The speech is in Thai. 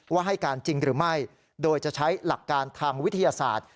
ให้การจริงหรือไม่โดยจะใช้หลักการทางวิทยาศาสตร์